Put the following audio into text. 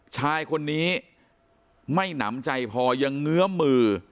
ชายคนนี้ไม่หนำใจพอยังเงื้อมือ